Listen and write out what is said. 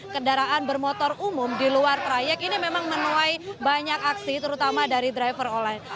kendaraan bermotor umum di luar trayek ini memang menuai banyak aksi terutama dari driver online